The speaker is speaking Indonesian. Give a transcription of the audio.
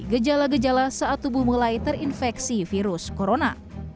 gejala gejala saat tubuh mulai terinfeksi virus corona